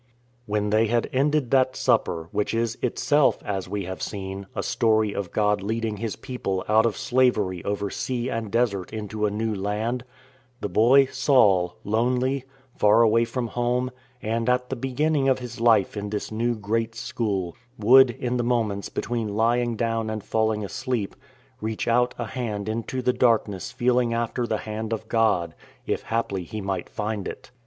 When they had ended that supper, which is itself (as we have seen) a story of God leading His people out of slavery over sea and desert into a new land, the boy Saul, lonely, far away from home, and at the beginning of his life in this new great school, would, in the moments between lying down and falling asleep, reach out a hand into the darkness feeling after the hand of God, if haply he might find it.